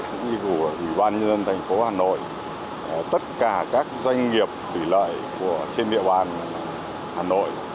cũng như của ủy ban nhân dân thành phố hà nội tất cả các doanh nghiệp thủy lợi trên địa bàn hà nội